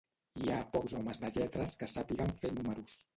Hi ha pocs homes de lletres que sàpiguen fer números.